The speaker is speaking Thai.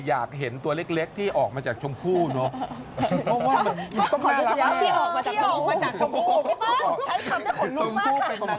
อยากเห็นตัวเล็กเล็กที่ออกมาจากชมพู่เนอะต้องว่ามันต้องน่ารักมาก